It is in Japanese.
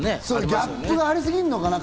ギャップがありすぎんのかな？